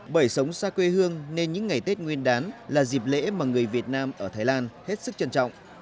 bởi sống xa quê hương nên những ngày tết nguyên đán là dịp lễ mà người việt nam ở thái lan hết sức trân trọng